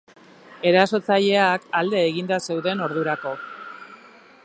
Erasotzaileak alde eginda zeuden ordurako.